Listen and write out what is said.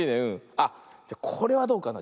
あっこれはどうかな。